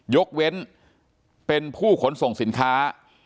ยกเว้นเป็นผู้ขนส่งสินค้า